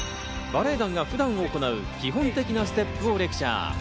バレエ団が普段行う基本的なステップをレクチャー。